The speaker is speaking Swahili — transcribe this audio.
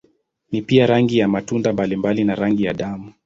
Ni pia rangi ya matunda mbalimbali na rangi ya damu.